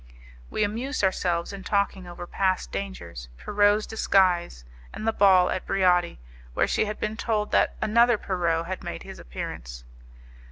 We amused ourselves in talking over past dangers, Pierrot's disguise, and the ball at Briati, where she had been told that another Pierrot had made his appearance.